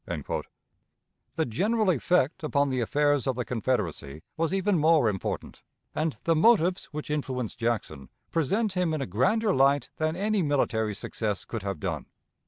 The general effect upon the affairs of the Confederacy was even more important, and the motives which influenced Jackson present him in a grander light than any military success could have done.